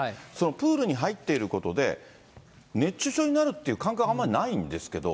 プールに入っていることで、熱中症になるという感覚はあまりないんですけれども。